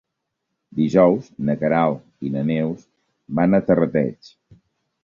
Dijous na Queralt i na Neus van a Terrateig.